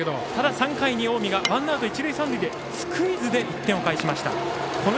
３回に近江が、ワンアウト一塁三塁でスクイズで１点を返しました。